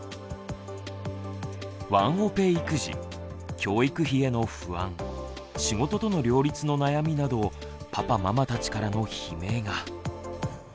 ワンオペ育児教育費への不安仕事との両立の悩みなどパパママたちからの悲鳴が。